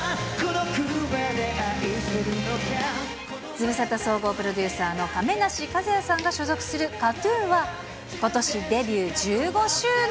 ズムサタ総合プロデューサーの亀梨和也さんが所属するＫＡＴーＴＵＮは、ことしデビュー１５周年。